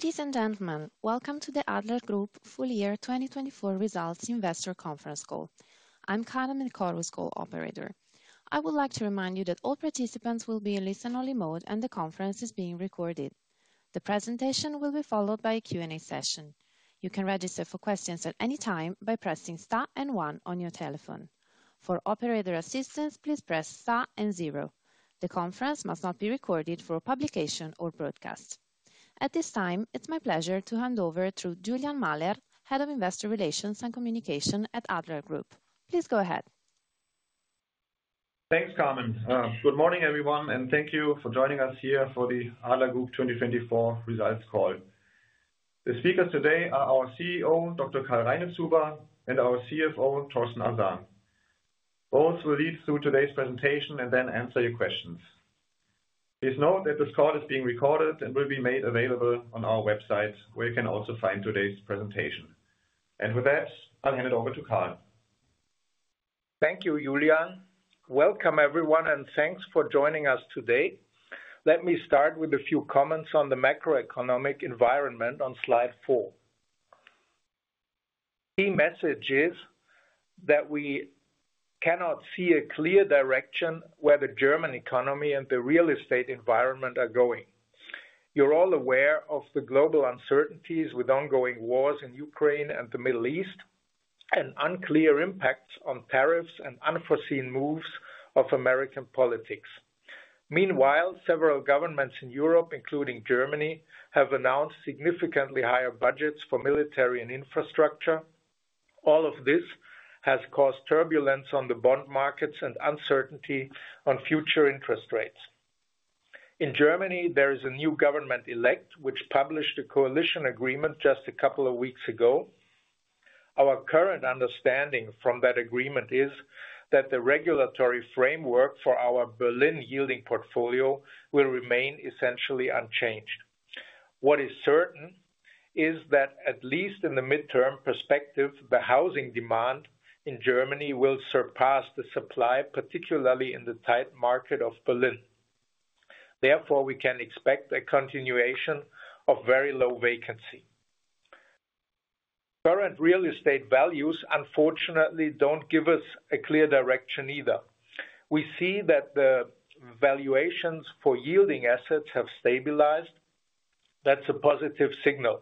Ladies and gentlemen, welcome to the Adler Group full year 2024 results investor conference call. I'm Karin Mykolow, the call's operator. I would like to remind you that all participants will be in listen-only mode and the conference is being recorded. The presentation will be followed by a Q&A session. You can register for questions at any time by pressing star and one on your telephone. For operator assistance, please press star and zero. The conference must not be recorded for publication or broadcast. At this time, it's my pleasure to hand over to Julian Mahlert, Head of Investor Relations and Communication at Adler Group. Please go ahead. Thanks, Karin. Good morning, everyone, and thank you for joining us here for the Adler Group 2024 results call. The speakers today are our CEO, Dr. Karl Reinitzhuber, and our CFO, Thorsten Arsan. Both will lead through today's presentation and then answer your questions. Please note that this call is being recorded and will be made available on our website, where you can also find today's presentation. With that, I'll hand it over to Karl. Thank you, Julian. Welcome, everyone, and thanks for joining us today. Let me start with a few comments on the macroeconomic environment on slide four. The key message is that we cannot see a clear direction where the German economy and the real estate environment are going. You're all aware of the global uncertainties with ongoing wars in Ukraine and the Middle East and unclear impacts on tariffs and unforeseen moves of American politics. Meanwhile, several governments in Europe, including Germany, have announced significantly higher budgets for military and infrastructure. All of this has caused turbulence on the bond markets and uncertainty on future interest rates. In Germany, there is a new government elect which published a coalition agreement just a couple of weeks ago. Our current understanding from that agreement is that the regulatory framework for our Berlin yielding portfolio will remain essentially unchanged. What is certain is that, at least in the midterm perspective, the housing demand in Germany will surpass the supply, particularly in the tight market of Berlin. Therefore, we can expect a continuation of very low vacancy. Current real estate values, unfortunately, do not give us a clear direction either. We see that the valuations for yielding assets have stabilized. That is a positive signal.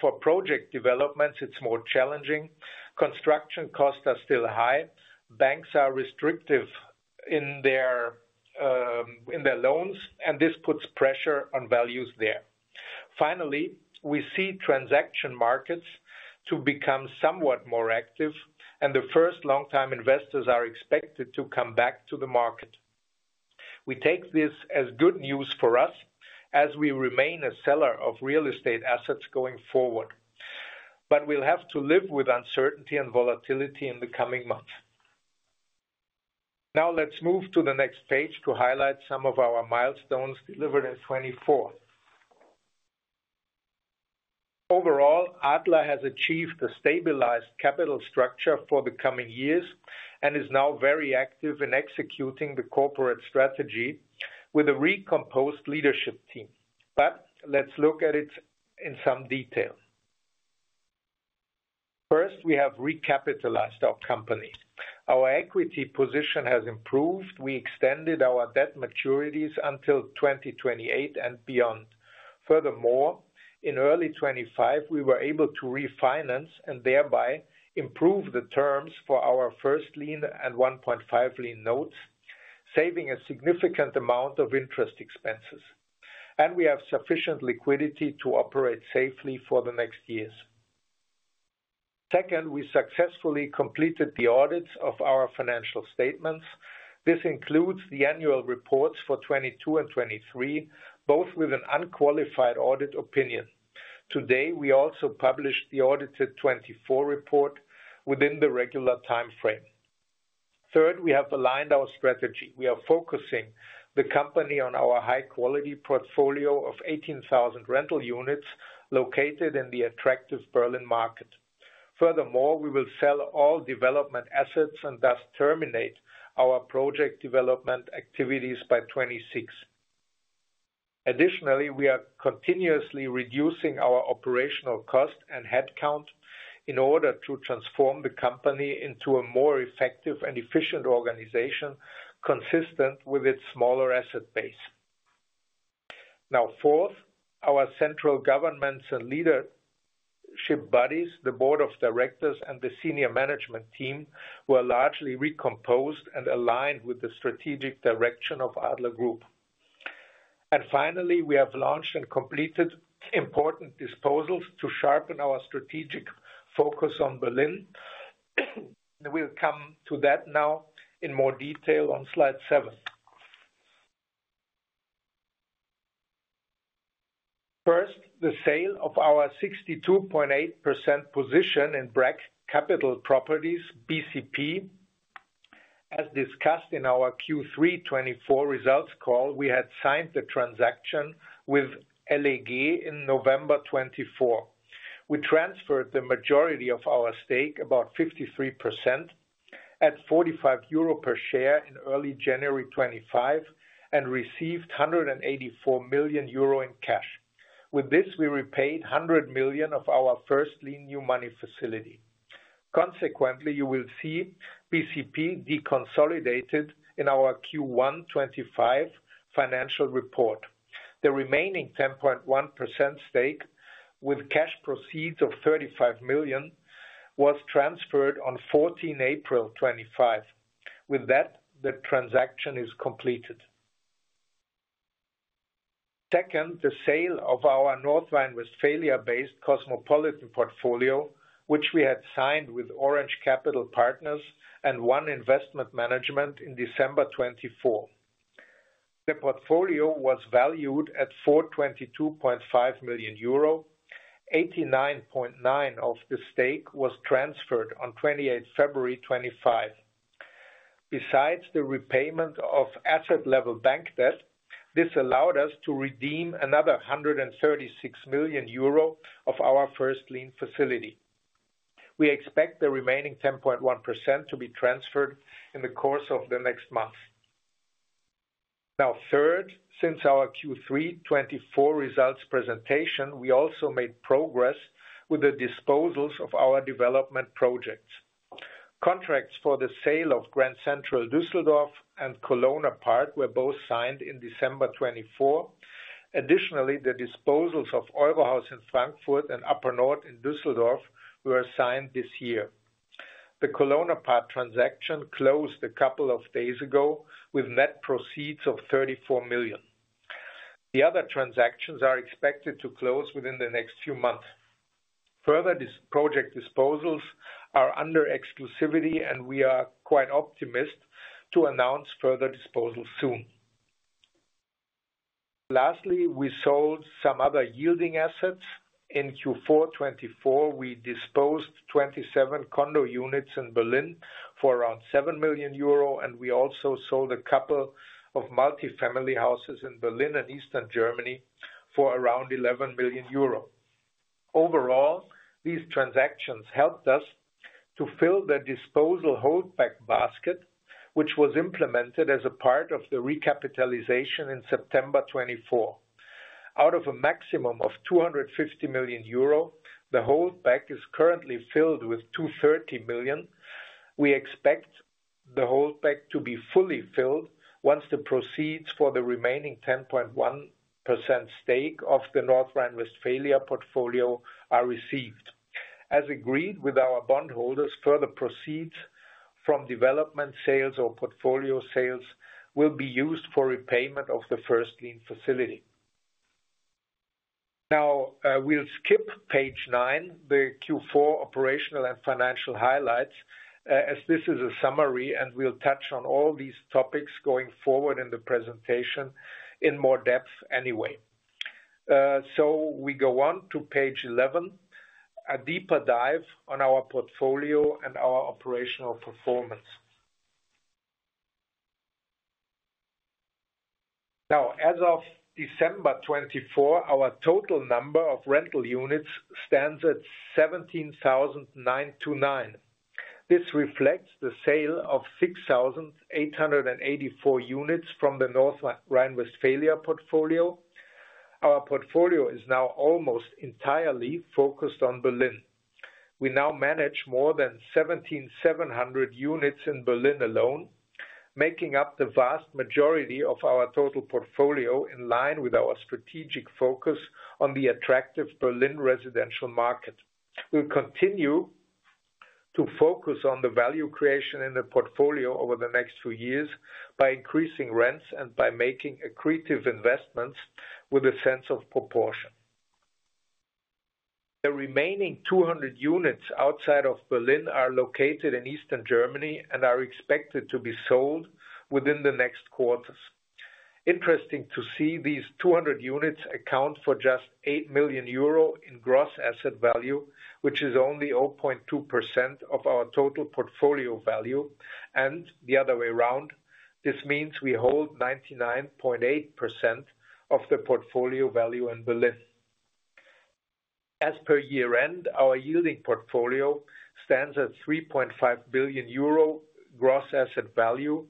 For project developments, it is more challenging. Construction costs are still high. Banks are restrictive in their loans, and this puts pressure on values there. Finally, we see transaction markets to become somewhat more active, and the first long-time investors are expected to come back to the market. We take this as good news for us as we remain a seller of real estate assets going forward. We will have to live with uncertainty and volatility in the coming months. Now, let's move to the next page to highlight some of our milestones delivered in 2024. Overall, Adler has achieved a stabilized capital structure for the coming years and is now very active in executing the corporate strategy with a recomposed leadership team. Let's look at it in some detail. First, we have recapitalized our company. Our equity position has improved. We extended our debt maturities until 2028 and beyond. Furthermore, in early 2025, we were able to refinance and thereby improve the terms for our first lien and 1.5 lien notes, saving a significant amount of interest expenses. We have sufficient liquidity to operate safely for the next years. Second, we successfully completed the audits of our financial statements. This includes the annual reports for 2022 and 2023, both with an unqualified audit opinion. Today, we also published the audited 2024 report within the regular timeframe. Third, we have aligned our strategy. We are focusing the company on our high-quality portfolio of 18,000 rental units located in the attractive Berlin market. Furthermore, we will sell all development assets and thus terminate our project development activities by 2026. Additionally, we are continuously reducing our operational cost and headcount in order to transform the company into a more effective and efficient organization consistent with its smaller asset base. Now, fourth, our central governments and leadership bodies, the board of directors and the senior management team, were largely recomposed and aligned with the strategic direction of Adler Group. Finally, we have launched and completed important disposals to sharpen our strategic focus on Berlin. We'll come to that now in more detail on slide seven. First, the sale of our 62.8% position in Brack Capital Properties, BCP. As discussed in our Q3 2024 results call, we had signed the transaction with LEG in November 2024. We transferred the majority of our stake, about 53%, at 45 euro per share in early January 2025 and received 184 million euro in cash. With this, we repaid 100 million of our first lien new money facility. Consequently, you will see BCP deconsolidated in our Q1 2025 financial report. The remaining 10.1% stake with cash proceeds of 35 million was transferred on 14 April 2025. With that, the transaction is completed. Second, the sale of our North Rhine-Westphalia-based Cosmopolitan portfolio, which we had signed with Orange Capital Partners and One Investment Management in December 2024. The portfolio was valued at 422.5 million euro. 89.9% of the stake was transferred on 28th February 2025. Besides the repayment of asset-level bank debt, this allowed us to redeem another 136 million euro of our first lien facility. We expect the remaining 10.1% to be transferred in the course of the next month. Now, third, since our Q3 2024 results presentation, we also made progress with the disposals of our development projects. Contracts for the sale of Grand Central Düsseldorf and Kölner Park were both signed in December 2024. Additionally, the disposals of Eurohaus in Frankfurt and UpperNord in Düsseldorf were signed this year. The Kölner Park transaction closed a couple of days ago with net proceeds of 34 million. The other transactions are expected to close within the next few months. Further project disposals are under exclusivity, and we are quite optimistic to announce further disposals soon. Lastly, we sold some other yielding assets. In Q4 2024, we disposed of 27 condo units in Berlin for around 7 million euro, and we also sold a couple of multi-family houses in Berlin and Eastern Germany for around 11 million euro. Overall, these transactions helped us to fill the disposal holdback basket, which was implemented as a part of the recapitalization in September 2024. Out of a maximum of 250 million euro, the holdback is currently filled with 230 million. We expect the holdback to be fully filled once the proceeds for the remaining 10.1% stake of the North Rhine-Westphalia portfolio are received. As agreed with our bondholders, further proceeds from development sales or portfolio sales will be used for repayment of the first lien facility. Now, we'll skip page nine, the Q4 operational and financial highlights, as this is a summary, and we'll touch on all these topics going forward in the presentation in more depth anyway. We go on to page 11, a deeper dive on our portfolio and our operational performance. As of December 2024, our total number of rental units stands at 17,929. This reflects the sale of 6,884 units from the North Rhine-Westphalia portfolio. Our portfolio is now almost entirely focused on Berlin. We now manage more than 17,700 units in Berlin alone, making up the vast majority of our total portfolio in line with our strategic focus on the attractive Berlin residential market. We will continue to focus on the value creation in the portfolio over the next few years by increasing rents and by making accretive investments with a sense of proportion. The remaining 200 units outside of Berlin are located in Eastern Germany and are expected to be sold within the next quarters. Interesting to see, these 200 units account for just 8 million euro in gross asset value, which is only 0.2% of our total portfolio value, and the other way around. This means we hold 99.8% of the portfolio value in Berlin. As per year-end, our yielding portfolio stands at 3.5 billion euro gross asset value,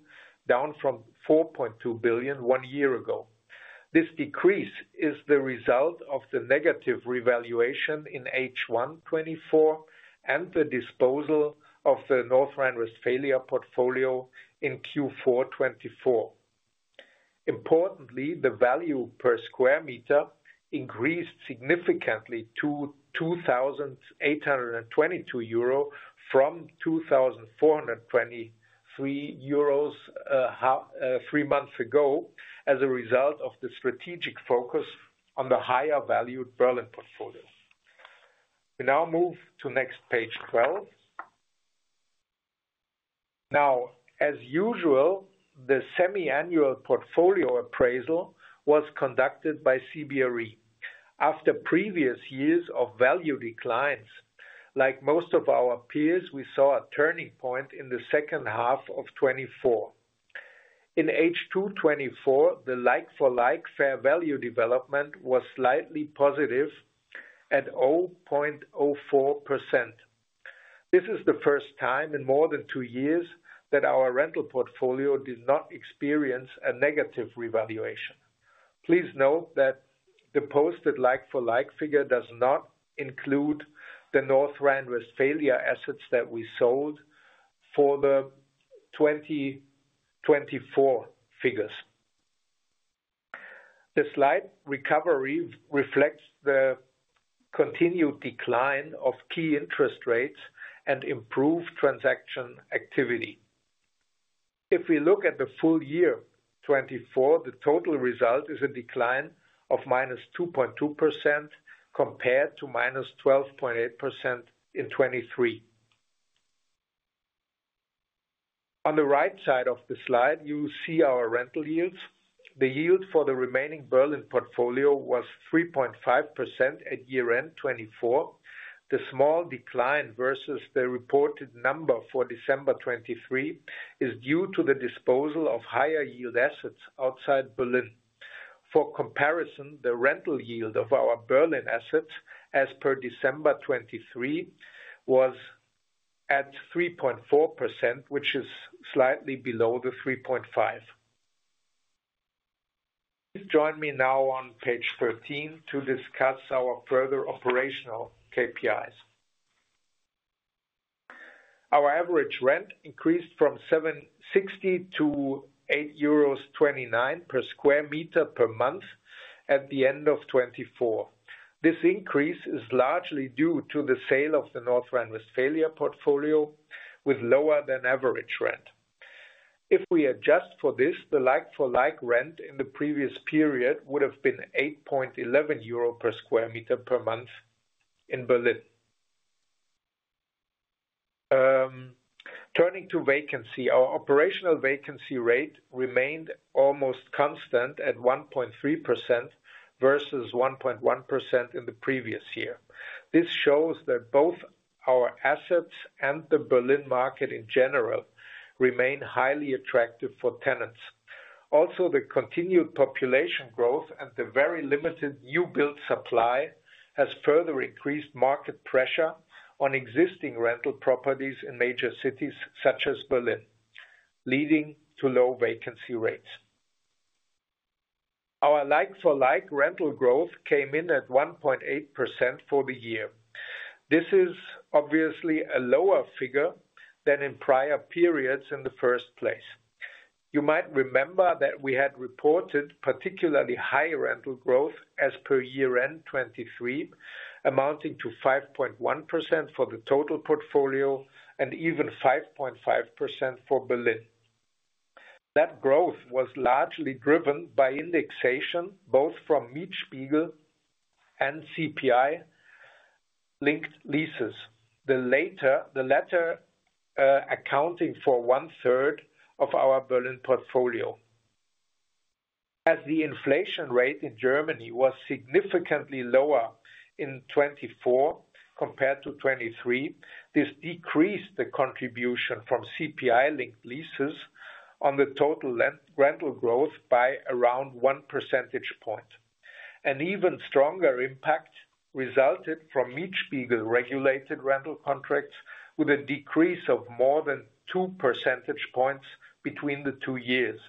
down from 4.2 billion one year ago. This decrease is the result of the negative revaluation in H1 2024 and the disposal of the North Rhine-Westphalia portfolio in Q4 2024. Importantly, the value per square meter increased significantly to 2,822 euro from 2,423 euros three months ago as a result of the strategic focus on the higher-valued Berlin portfolio. We now move to next page 12. Now, as usual, the semi-annual portfolio appraisal was conducted by CBRE. After previous years of value declines, like most of our peers, we saw a turning point in the second half of 2024. In H2 2024, the like-for-like fair value development was slightly positive at 0.04%. This is the first time in more than two years that our rental portfolio did not experience a negative revaluation. Please note that the posted like-for-like figure does not include the North Rhine-Westphalia assets that we sold for the 2024 figures. The slight recovery reflects the continued decline of key interest rates and improved transaction activity. If we look at the full year 2024, the total result is a decline of -2.2% compared to -12.8% in 2023. On the right side of the slide, you will see our rental yields. The yield for the remaining Berlin portfolio was 3.5% at year-end 2024. The small decline versus the reported number for December 2023 is due to the disposal of higher yield assets outside Berlin. For comparison, the rental yield of our Berlin assets as per December 2023 was at 3.4%, which is slightly below the 3.5%. Please join me now on page 13 to discuss our further operational KPIs. Our average rent increased from EUR 6.08-EUR 8.29 per sq m per month at the end of 2024. This increase is largely due to the sale of the North Rhine-Westphalia portfolio with lower than average rent. If we adjust for this, the like-for-like rent in the previous period would have been 8.11 euro per sq m per month in Berlin. Turning to vacancy, our operational vacancy rate remained almost constant at 1.3% versus 1.1% in the previous year. This shows that both our assets and the Berlin market in general remain highly attractive for tenants. Also, the continued population growth and the very limited new build supply has further increased market pressure on existing rental properties in major cities such as Berlin, leading to low vacancy rates. Our like-for-like rental growth came in at 1.8% for the year. This is obviously a lower figure than in prior periods in the first place. You might remember that we had reported particularly high rental growth as per year-end 2023, amounting to 5.1% for the total portfolio and even 5.5% for Berlin. That growth was largely driven by indexation, both from Mietspiegel and CPI-linked leases, the latter accounting for 1/3 of our Berlin portfolio. As the inflation rate in Germany was significantly lower in 2024 compared to 2023, this decreased the contribution from CPI-linked leases on the total rental growth by around one percentage point. An even stronger impact resulted from Mietspiegel-regulated rental contracts with a decrease of more than two percentage points between the two years.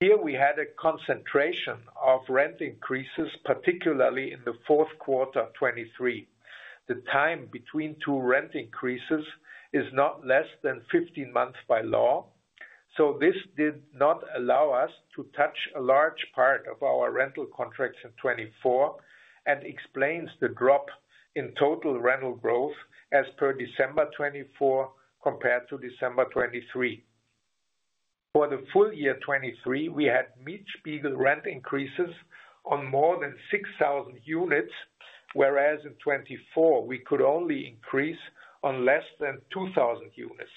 Here, we had a concentration of rent increases, particularly in the fourth quarter of 2023. The time between two rent increases is not less than 15 months by law, so this did not allow us to touch a large part of our rental contracts in 2024 and explains the drop in total rental growth as per December 2024 compared to December 2023. For the full year 2023, we had Mietspiegel rent increases on more than 6,000 units, whereas in 2024, we could only increase on less than 2,000 units.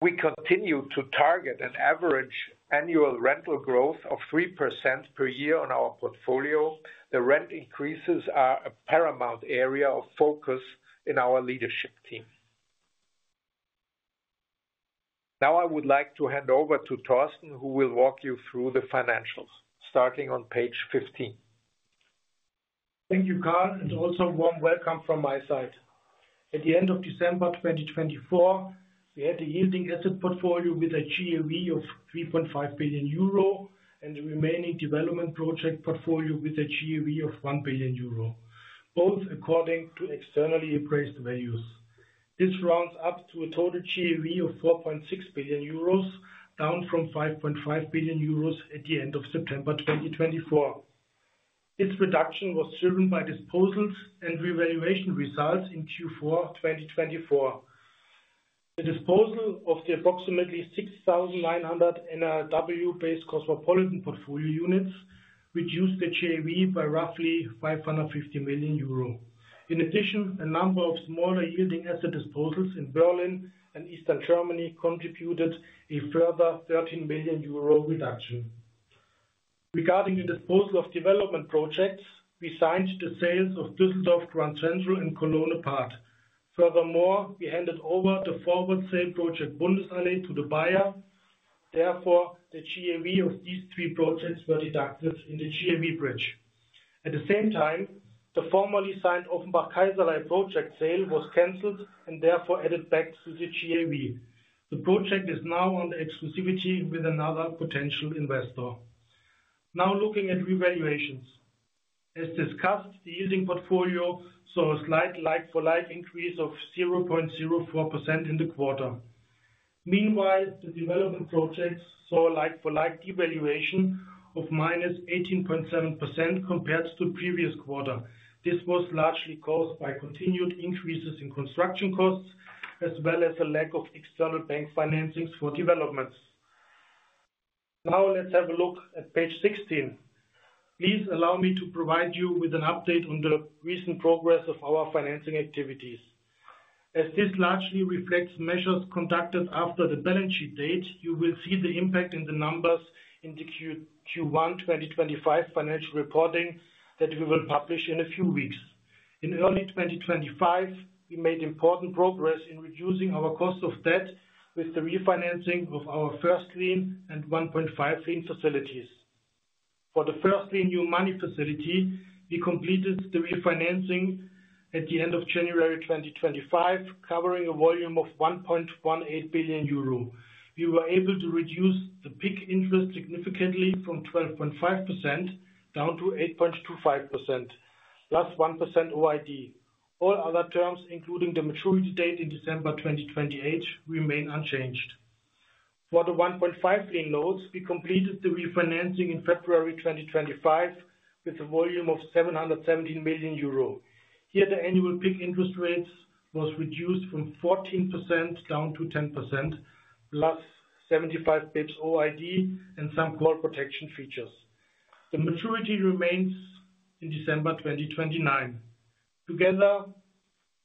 We continue to target an average annual rental growth of 3% per year on our portfolio. The rent increases are a paramount area of focus in our leadership team. Now, I would like to hand over to Thorsten, who will walk you through the financials, starting on page 15. Thank you, Karl, and also a warm welcome from my side. At the end of December 2024, we had a yielding asset portfolio with a GAV of 3.5 billion euro and a remaining development project portfolio with a GAV of 1 billion euro, both according to externally appraised values. This rounds up to a total GAV of 4.6 billion euros, down from 5.5 billion euros at the end of September 2024. This reduction was driven by disposals and revaluation results in Q4 2024. The disposal of the approximately 6,900 NRW-based Cosmopolitan portfolio units reduced the GAV by roughly 550 million euro. In addition, a number of smaller yielding asset disposals in Berlin and Eastern Germany contributed a further 13 million euro reduction. Regarding the disposal of development projects, we signed the sales of Düsseldorf Grand Central and Kölner Park. Furthermore, we handed over the forward sale project Bundesallee to the buyer. Therefore, the GAV of these three projects were deducted in the GAV bridge. At the same time, the formerly signed Offenbach-Kaiserlei project sale was canceled and therefore added back to the GAV. The project is now under exclusivity with another potential investor. Now, looking at revaluations. As discussed, the yielding portfolio saw a slight like-for-like increase of 0.04% in the quarter. Meanwhile, the development projects saw a like-for-like devaluation of -18.7% compared to the previous quarter. This was largely caused by continued increases in construction costs as well as a lack of external bank financings for developments. Now, let's have a look at page 16. Please allow me to provide you with an update on the recent progress of our financing activities. As this largely reflects measures conducted after the balance sheet date, you will see the impact in the numbers in the Q1 2025 financial reporting that we will publish in a few weeks. In early 2025, we made important progress in reducing our cost of debt with the refinancing of our first lien and 1.5 lien facilities. For the first lien new money facility, we completed the refinancing at the end of January 2025, covering a volume of 1.18 billion euro. We were able to reduce the peak interest significantly from 12.5% down to 8.25%, +1% OID. All other terms, including the maturity date in December 2028, remain unchanged. For the 1.5 lien loans, we completed the refinancing in February 2025 with a volume of 717 million euro. Here, the annual peak interest rates were reduced from 14% down to 10%, +75 basis points OID and some call protection features. The maturity remains in December 2029. Together,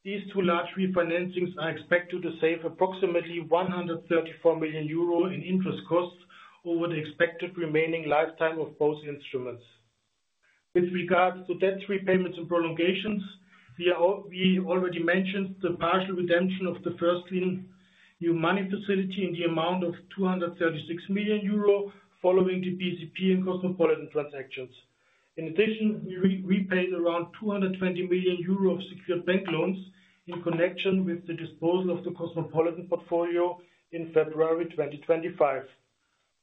these two large refinancings are expected to save approximately 134 million euro in interest costs over the expected remaining lifetime of both instruments. With regards to debt repayments and prolongations, we already mentioned the partial redemption of the first lien new money facility in the amount of 236 million euro following the BCP and Cosmopolitan transactions. In addition, we repaid around 220 million euro of secured bank loans in connection with the disposal of the Cosmopolitan portfolio in February 2025.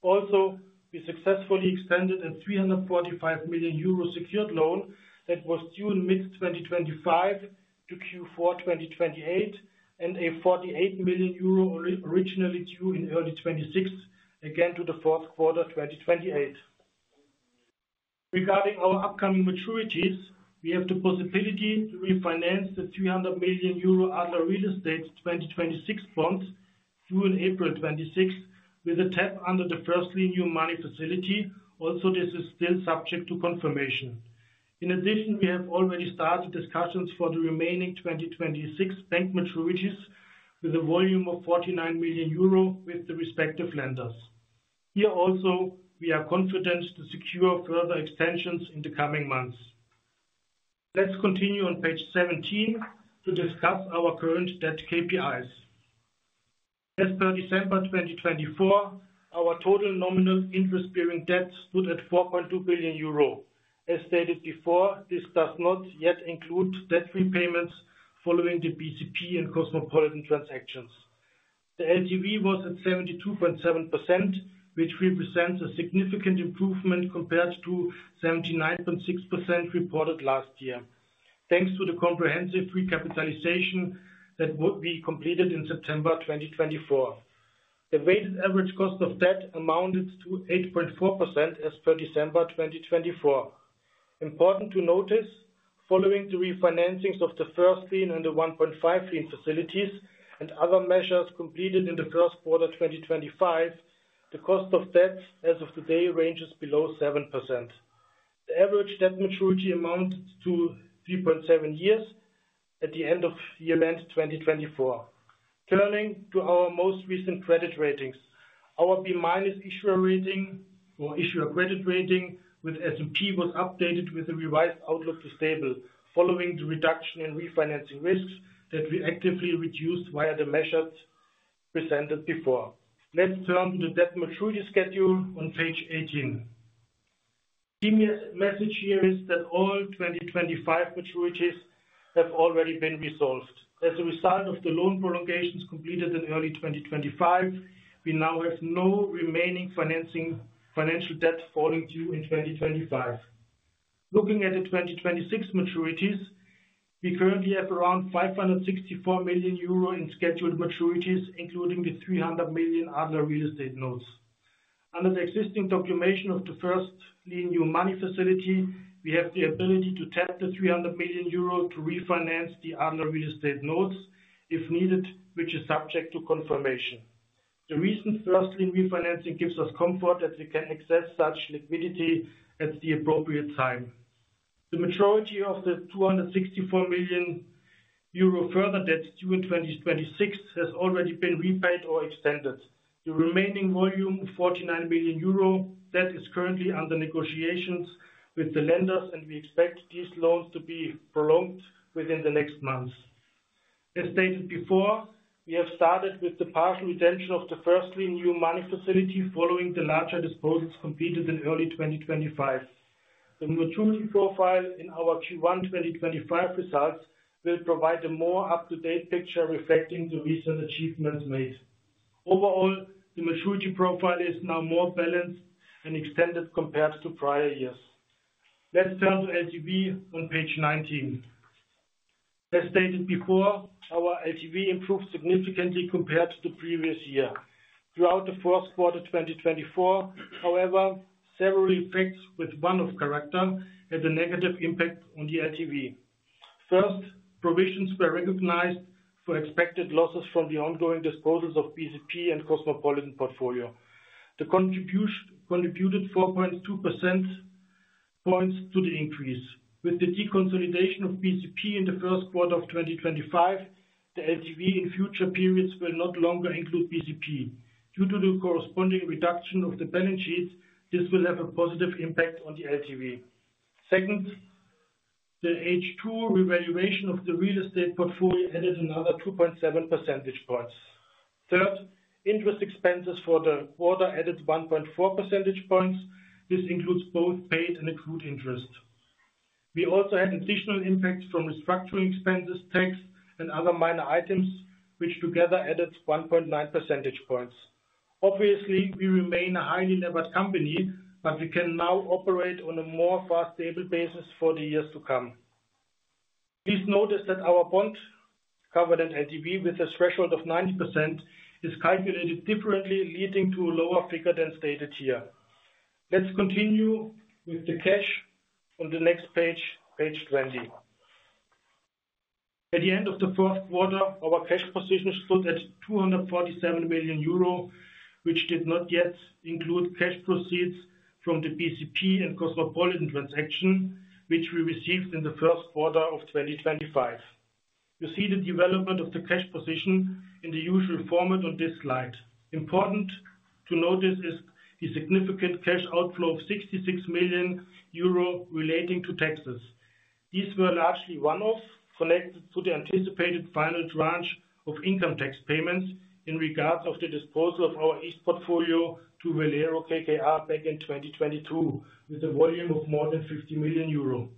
Also, we successfully extended a 345 million euro secured loan that was due in mid-2025 to Q4 2028 and a 48 million euro originally due in early 2026, again to the fourth quarter 2028. Regarding our upcoming maturities, we have the possibility to refinance the 300 million euro other real estate 2026 funds due in April 2026 with a tap under the first lien new money facility. Also, this is still subject to confirmation. In addition, we have already started discussions for the remaining 2026 bank maturities with a volume of 49 million euro with the respective lenders. Here also, we are confident to secure further extensions in the coming months. Let's continue on page 17 to discuss our current debt KPIs. As per December 2024, our total nominal interest-bearing debt stood at 4.2 billion euro. As stated before, this does not yet include debt repayments following the BCP and Cosmopolitan transactions. The LTV was at 72.7%, which represents a significant improvement compared to 79.6% reported last year, thanks to the comprehensive recapitalization that we completed in September 2024. The weighted average cost of debt amounted to 8.4% as per December 2024. Important to notice, following the refinancings of the first lien and the 1.5 lien facilities and other measures completed in the first quarter 2025, the cost of debt as of today ranges below 7%. The average debt maturity amounts to 3.7 years at the end of year-end 2024. Turning to our most recent credit ratings, our B- issuer rating or issuer credit rating with S&P was updated with a revised outlook to stable, following the reduction in refinancing risks that we actively reduced via the measures presented before. Let's turn to the debt maturity schedule on page 18. The key message here is that all 2025 maturities have already been resolved. As a result of the loan prolongations completed in early 2025, we now have no remaining financial debt falling due in 2025. Looking at the 2026 maturities, we currently have around 564 million euro in scheduled maturities, including the 300 million other real estate notes. Under the existing documentation of the first lien new money facility, we have the ability to tap the 300 million euro to refinance the other real estate notes if needed, which is subject to confirmation. The recent first lien refinancing gives us comfort that we can access such liquidity at the appropriate time. The maturity of the 264 million euro further debt due in 2026 has already been repaid or extended. The remaining volume of 49 million euro debt is currently under negotiations with the lenders, and we expect these loans to be prolonged within the next months. As stated before, we have started with the partial redemption of the first lien new money facility following the larger disposals completed in early 2025. The maturity profile in our Q1 2025 results will provide a more up-to-date picture reflecting the recent achievements made. Overall, the maturity profile is now more balanced and extended compared to prior years. Let's turn to LTV on page 19. As stated before, our LTV improved significantly compared to the previous year. Throughout the fourth quarter 2024, however, several effects with one-off character had a negative impact on the LTV. First, provisions were recognized for expected losses from the ongoing disposals of BCP and Cosmopolitan portfolio. They contributed 4.2 percentage points to the increase. With the deconsolidation of BCP in the first quarter of 2025, the LTV in future periods will not longer include BCP. Due to the corresponding reduction of the balance sheets, this will have a positive impact on the LTV. Second, the H2 revaluation of the real estate portfolio added another 2.7 percentage points. Third, interest expenses for the quarter added 1.4 percentage points. This includes both paid and accrued interest. We also had additional impacts from restructuring expenses, tax, and other minor items, which together added 1.9 percentage points. Obviously, we remain a highly levered company, but we can now operate on a more fast, stable basis for the years to come. Please notice that our bond covered at LTV with a threshold of 90% is calculated differently, leading to a lower figure than stated here. Let's continue with the cash on the next page, page 20. At the end of the fourth quarter, our cash position stood at 247 million euro, which did not yet include cash proceeds from the BCP and Cosmopolitan transaction, which we received in the first quarter of 2025. You see the development of the cash position in the usual format on this slide. Important to notice is the significant cash outflow of 66 million euro relating to taxes. These were largely one-off, connected to the anticipated final tranche of income tax payments in regards of the disposal of our east portfolio to Velero KKR back in 2022, with a volume of more than 50 million euro.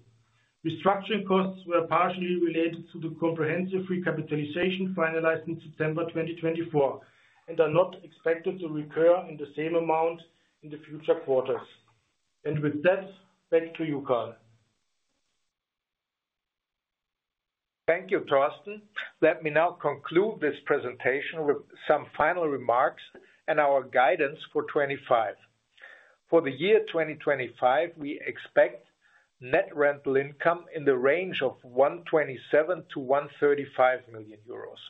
Restructuring costs were partially related to the comprehensive recapitalization finalized in September 2024 and are not expected to recur in the same amount in the future quarters. With that, back to you, Karl. Thank you, Thorsten. Let me now conclude this presentation with some final remarks and our guidance for 2025. For the year 2025, we expect net rental income in the range of 127 million-135 million euros.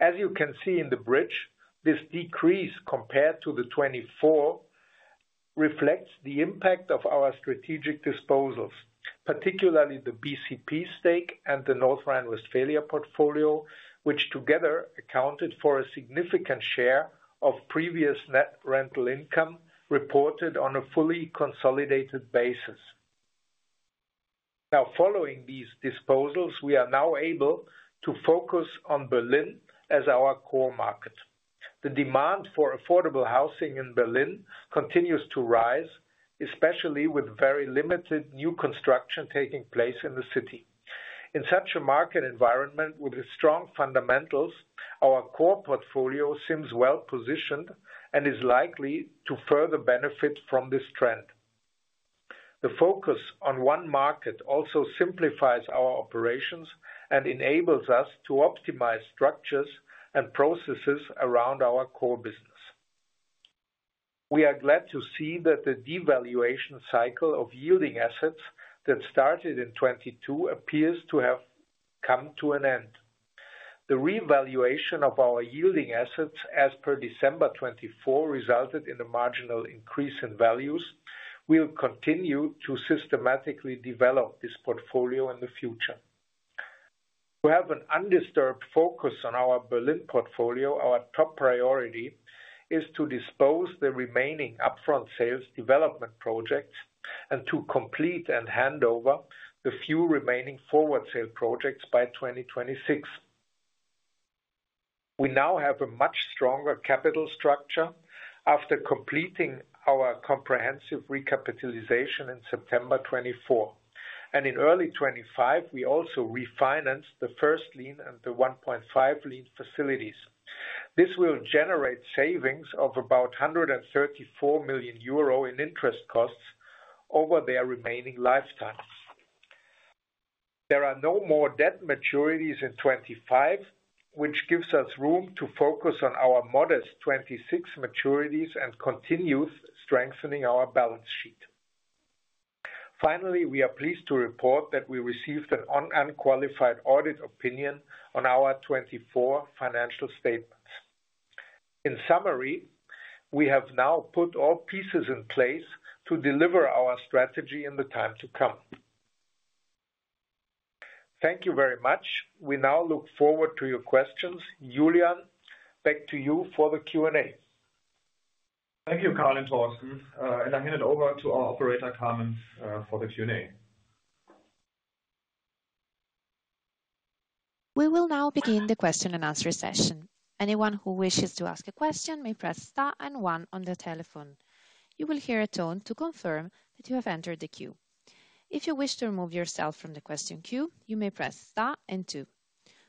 As you can see in the bridge, this decrease compared to 2024 reflects the impact of our strategic disposals, particularly the BCP stake and the North Rhine-Westphalia portfolio, which together accounted for a significant share of previous net rental income reported on a fully consolidated basis. Now, following these disposals, we are now able to focus on Berlin as our core market. The demand for affordable housing in Berlin continues to rise, especially with very limited new construction taking place in the city. In such a market environment with strong fundamentals, our core portfolio seems well positioned and is likely to further benefit from this trend. The focus on one market also simplifies our operations and enables us to optimize structures and processes around our core business. We are glad to see that the devaluation cycle of yielding assets that started in 2022 appears to have come to an end. The revaluation of our yielding assets as per December 2024 resulted in a marginal increase in values. We'll continue to systematically develop this portfolio in the future. To have an undisturbed focus on our Berlin portfolio, our top priority is to dispose of the remaining upfront sales development projects and to complete and hand over the few remaining forward sale projects by 2026. We now have a much stronger capital structure after completing our comprehensive recapitalization in September 2024. In early 2025, we also refinanced the first lien and the 1.5 lien facilities. This will generate savings of about 134 million euro in interest costs over their remaining lifetimes. There are no more debt maturities in 2025, which gives us room to focus on our modest 2026 maturities and continue strengthening our balance sheet. Finally, we are pleased to report that we received an unqualified audit opinion on our 2024 financial statements. In summary, we have now put all pieces in place to deliver our strategy in the time to come. Thank you very much. We now look forward to your questions. Julian, back to you for the Q&A. Thank you, Karl and Thorsten. I hand it over to our operator, Karin, for the Q&A. We will now begin the question-and-answer session. Anyone who wishes to ask a question may press star and one on the telephone. You will hear a tone to confirm that you have entered the queue. If you wish to remove yourself from the question queue, you may press star and two.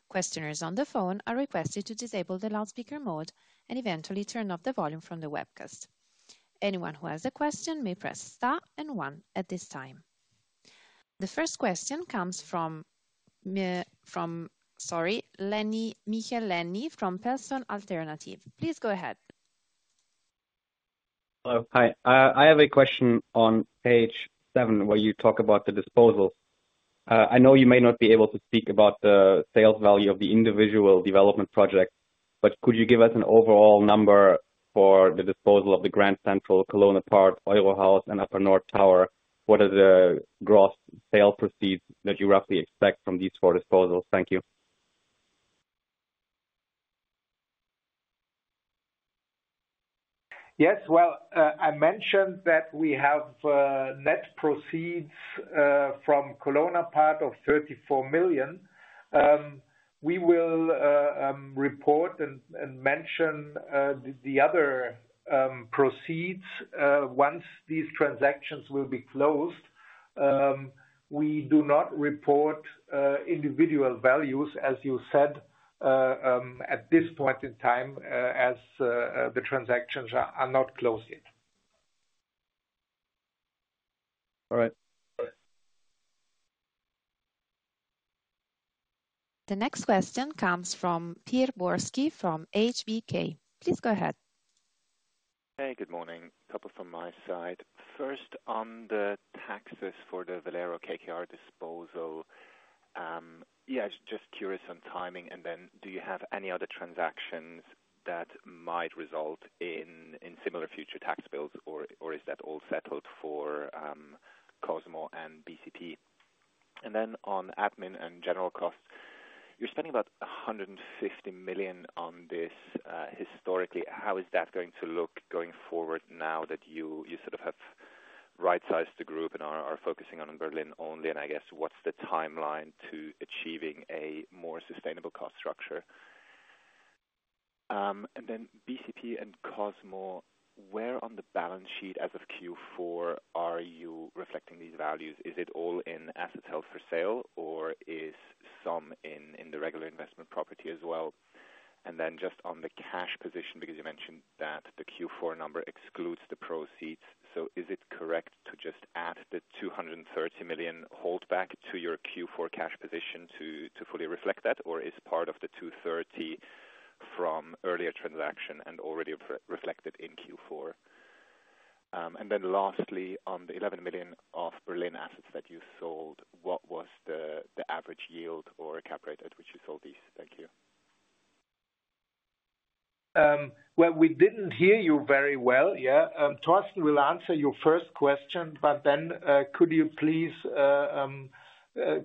Questioners on the phone are requested to disable the loudspeaker mode and eventually turn off the volume from the webcast. Anyone who has a question may press star and one at this time. The first question comes from, sorry, Michel Leny from Thorsen Alternative. Please go ahead. Hello. Hi. I have a question on page seven where you talk about the disposal. I know you may not be able to speak about the sales value of the individual development project, but could you give us an overall number for the disposal of the Grand Central, Kölner Park, Eurohaus, and UpperNord Tower? What are the gross sale proceeds that you roughly expect from these four disposals? Thank you. Yes. I mentioned that we have net proceeds from Kölner Park of 34 million. We will report and mention the other proceeds once these transactions will be closed. We do not report individual values, as you said, at this point in time as the transactions are not closed yet. All right. The next question comes from Peer Borsky from HBK. Please go ahead. Hey, good morning. Couple from my side. First, on the taxes for the Velero KKR disposal, yeah, just curious on timing. Do you have any other transactions that might result in similar future tax bills, or is that all settled for Cosmo and BCP? On admin and general costs, you're spending about 150 million on this historically. How is that going to look going forward now that you sort of have right-sized the group and are focusing on Berlin only? I guess what's the timeline to achieving a more sustainable cost structure? Then BCP and Cosmo, where on the balance sheet as of Q4 are you reflecting these values? Is it all in asset held for sale, or is some in the regular investment property as well? Just on the cash position, because you mentioned that the Q4 number excludes the proceeds. Is it correct to just add the 230 million holdback to your Q4 cash position to fully reflect that, or is part of the 230 million from earlier transaction and already reflected in Q4? Lastly, on the 11 million of Berlin assets that you sold, what was the average yield or cap rate at which you sold these? Thank you. We did not hear you very well. Thorsten will answer your first question, but could you please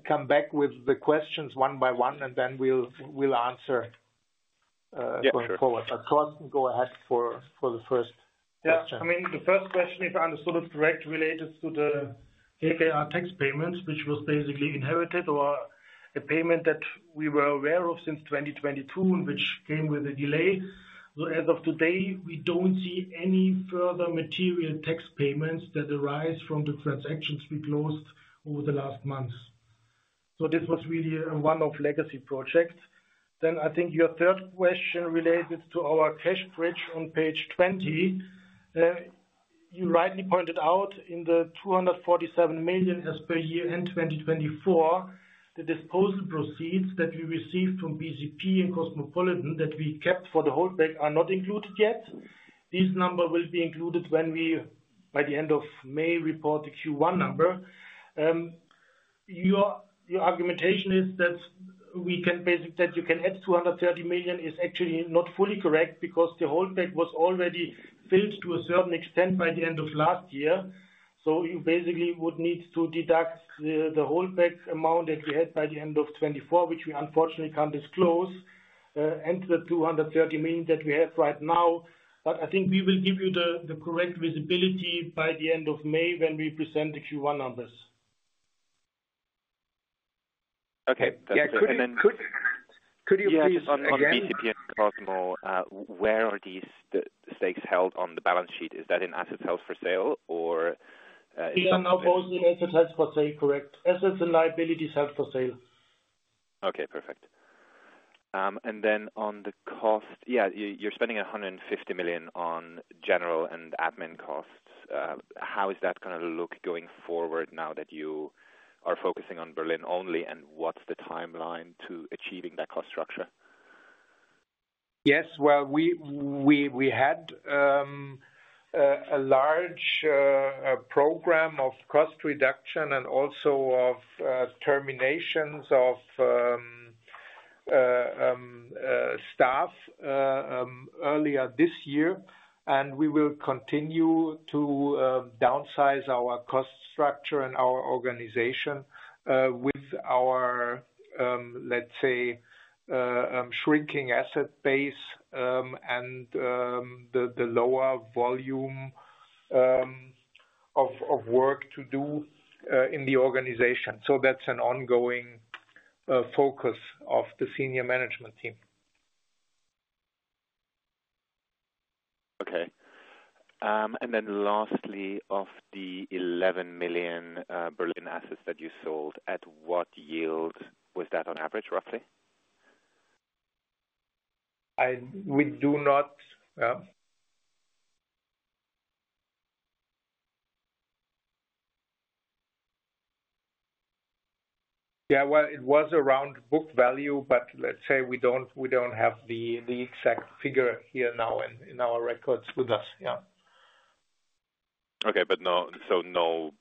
come back with the questions one by one, and then we will answer going forward? Thorsten, go ahead for the first question. Yeah. I mean, the first question, if I understood it correct, related to the KKR tax payments, which was basically inherited or a payment that we were aware of since 2022, which came with a delay. As of today, we don't see any further material tax payments that arise from the transactions we closed over the last months. This was really a one-off legacy project. I think your third question related to our cash bridge on page 20. You rightly pointed out in the 247 million as per year end 2024, the disposal proceeds that we received from BCP and Cosmopolitan that we kept for the holdback are not included yet. This number will be included when we, by the end of May, report the Q1 number. Your argumentation is that you can add 230 million is actually not fully correct because the holdback was already filled to a certain extent by the end of last year. You basically would need to deduct the holdback amount that we had by the end of 2024, which we unfortunately can't disclose, and the 230 million that we have right now. I think we will give you the correct visibility by the end of May when we present the Q1 numbers. Okay. Could you please? Yes. On BCP and Cosmo, where are these stakes held on the balance sheet? Is that in assets held for sale, or? These are now both in assets held for sale, correct. Assets and liabilities held for sale. Okay. Perfect. On the cost, yeah, you're spending 150 million on general and admin costs. How is that going to look going forward now that you are focusing on Berlin only, and what's the timeline to achieving that cost structure? Yes. We had a large program of cost reduction and also of terminations of staff earlier this year. We will continue to downsize our cost structure and our organization with our, let's say, shrinking asset base and the lower volume of work to do in the organization. That is an ongoing focus of the senior management team. Okay. Lastly, of the 11 million Berlin assets that you sold, at what yield was that on average, roughly? We do not. Yeah. Yeah. It was around book value, but let's say we don't have the exact figure here now in our records with us. Yeah. Okay. But so no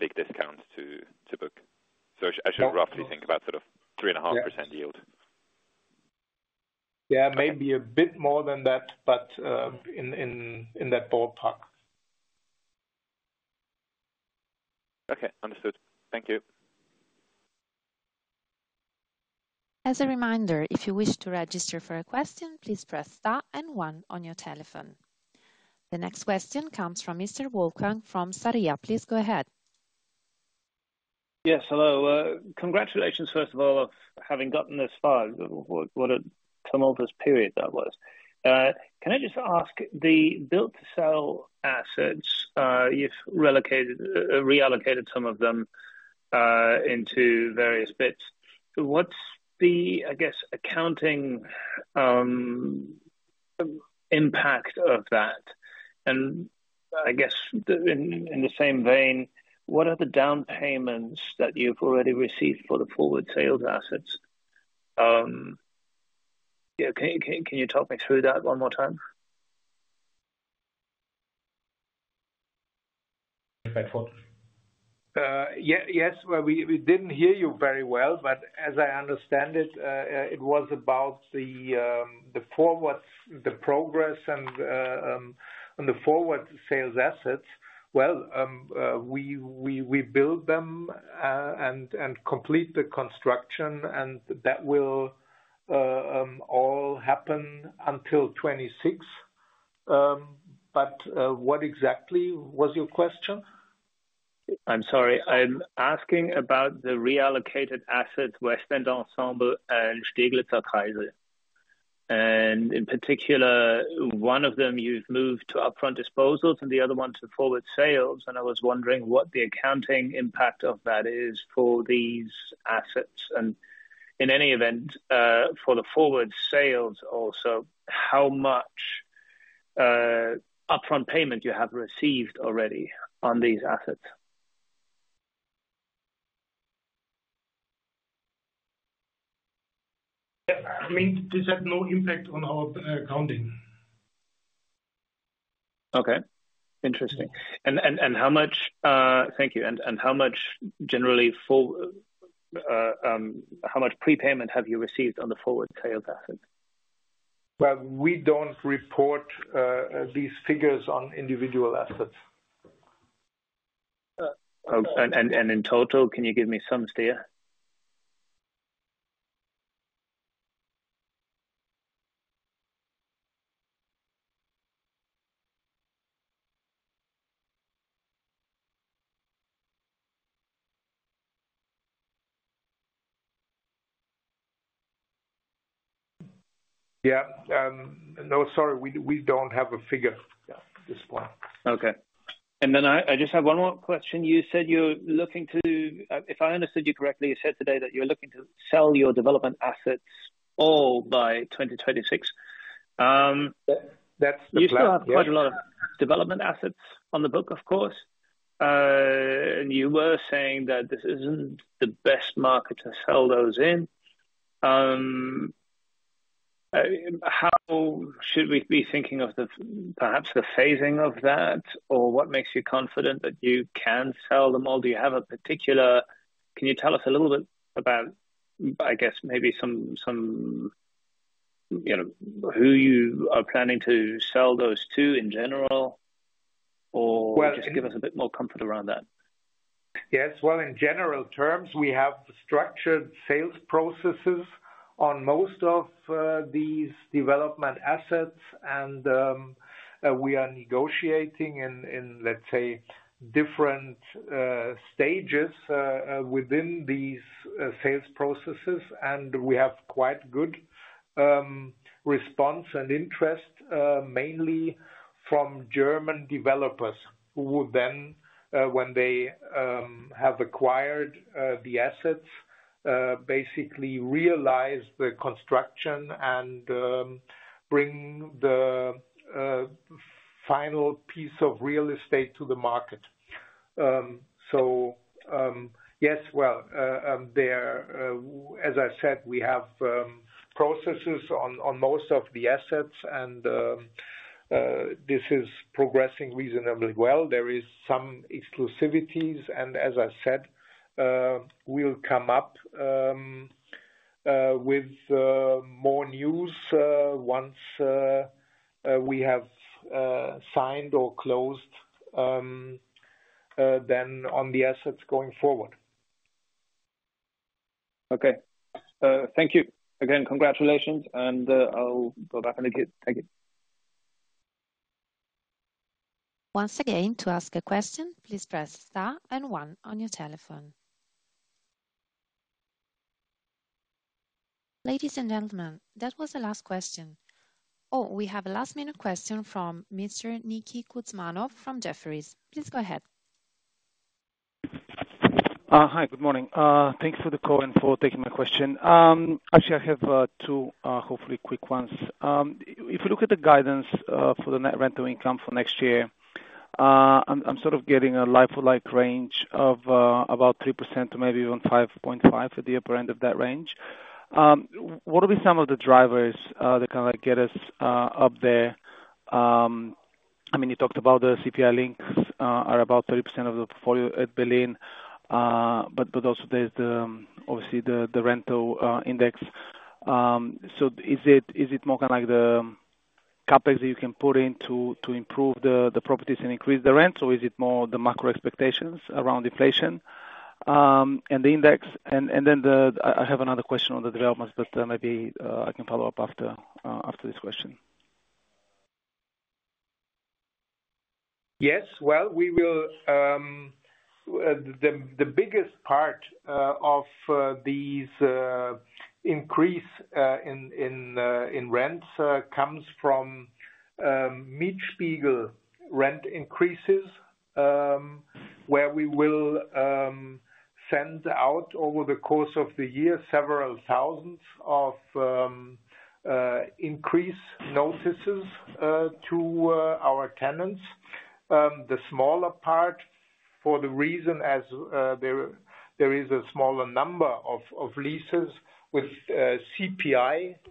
big discounts to book. I should roughly think about sort of 3.5% yield. Yeah. Maybe a bit more than that, but in that ballpark. Okay. Understood. Thank you. As a reminder, if you wish to register for a question, please press star and one on your telephone. The next question comes from Mr. Wolfgang from Sarria. Please go ahead. Yes. Hello. Congratulations, first of all, of having gotten this far. What a tumultuous period that was. Can I just ask the built-to-sell assets? You've relocated some of them into various bits. What's the, I guess, accounting impact of that? And I guess in the same vein, what are the down payments that you've already received for the forward sales assets? Can you talk me through that one more time? If I thought. Yes. We did not hear you very well, but as I understand it, it was about the forward progress and the forward sales assets. We build them and complete the construction, and that will all happen until 2026. What exactly was your question? I'm sorry. I'm asking about the reallocated assets, Westend Ensemble and Stieglitzer Kaiser. In particular, one of them you have moved to upfront disposals and the other one to forward sales. I was wondering what the accounting impact of that is for these assets. In any event, for the forward sales also, how much upfront payment you have received already on these assets? I mean, this had no impact on our accounting. Interesting. Thank you. How much generally, how much prepayment have you received on the forward sales assets? We do not report these figures on individual assets. In total, can you give me some still? Yeah. No, sorry. We do not have a figure at this point. Okay. I just have one more question. You said you are looking to, if I understood you correctly, you said today that you are looking to sell your development assets all by 2026. You still have quite a lot of development assets on the book, of course. You were saying that this is not the best market to sell those in. How should we be thinking of perhaps the phasing of that, or what makes you confident that you can sell them all? Do you have a particular, can you tell us a little bit about, I guess, maybe who you are planning to sell those to in general, or just give us a bit more comfort around that? Yes. In general terms, we have structured sales processes on most of these development assets, and we are negotiating in, let's say, different stages within these sales processes. We have quite good response and interest, mainly from German developers who would then, when they have acquired the assets, basically realize the construction and bring the final piece of real estate to the market. Yes. As I said, we have processes on most of the assets, and this is progressing reasonably well. There are some exclusivities, and as I said, we will come up with more news once we have signed or closed on the assets going forward. Okay. Thank you. Again, congratulations, and I'll go back and take it. Once again, to ask a question, please press star and one on your telephone. Ladies and gentlemen, that was the last question. Oh, we have a last-minute question from Mr. Niki Kouzmanov from Jefferies. Please go ahead. Hi. Good morning. Thanks for the call and for taking my question. Actually, I have two, hopefully, quick ones. If you look at the guidance for the net rental income for next year, I'm sort of getting a like-for-like range of about 3% to maybe even 5.5% at the upper end of that range. What will be some of the drivers that kind of get us up there? I mean, you talked about the CPI links are about 30% of the portfolio at Berlin, but also there's obviously the rental index. Is it more kind of like the CapEx that you can put in to improve the properties and increase the rents, or is it more the macro expectations around inflation and the index? I have another question on the developments, but maybe I can follow up after this question. Yes. The biggest part of these increases in rents comes from Mietspiegel rent increases, where we will send out over the course of the year several thousand increase notices to our tenants. The smaller part, for the reason as there is a smaller number of leases with CPI-indexed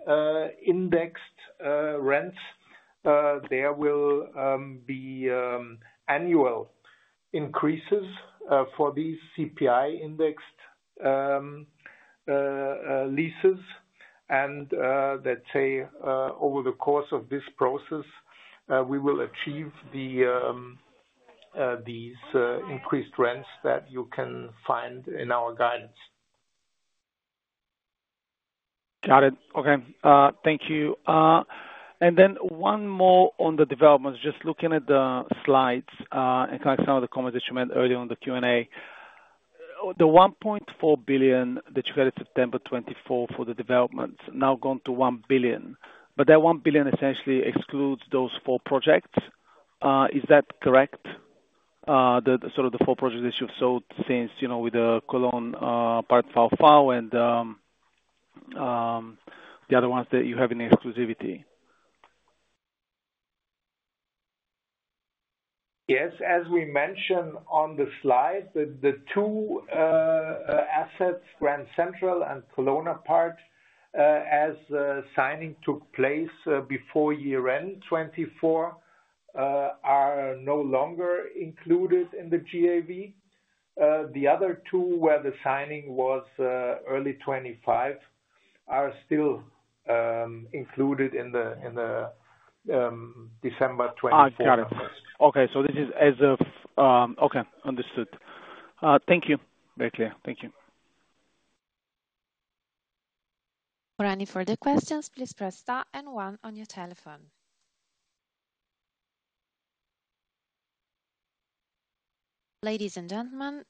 rents, there will be annual increases for these CPI-indexed leases. Let's say over the course of this process, we will achieve these increased rents that you can find in our guidance. Got it. Okay. Thank you. One more on the developments. Just looking at the slides and some of the comments that you made earlier on the Q&A, the 1.4 billion that you had at September 2024 for the developments has now gone to 1 billion. That 1 billion essentially excludes those four projects. Is that correct? Sort of the four projects that you've sold since with the Cologne part of our file and the other ones that you have in exclusivity. Yes. As we mentioned on the slide, the two assets, Grand Central and Cologne part, as signing took place before year-end 2024, are no longer included in the GAV. The other two, where the signing was early 2025, are still included in the December 2025. Got it. Okay. This is as of okay. Understood. Thank you. Very clear. Thank you. For any further questions, please press star and one on your telephone. Ladies and gentlemen,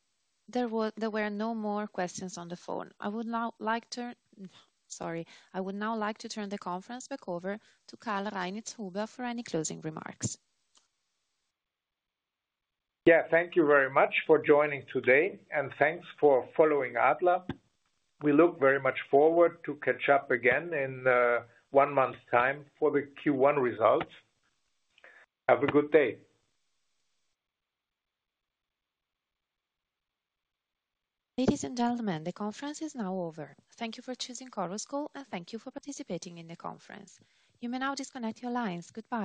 there were no more questions on the phone. I would now like to turn the conference back over to Karl Reinitzhuber for any closing remarks. Yeah. Thank you very much for joining today, and thanks for following Adler. We look very much forward to catch up again in one month's time for the Q1 results. Have a good day. Ladies and gentlemen, the conference is now over. Thank you for choosing Coruscal, and thank you for participating in the conference. You may now disconnect your lines. Goodbye.